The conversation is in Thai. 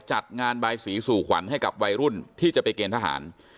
จัดงานบายสีสู่ขวัญให้กับวัยรุ่นที่จะไปเกณฑหาร